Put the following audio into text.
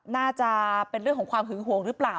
น่าจะเป็นเรื่องของความหึงห่วงหรือเปล่า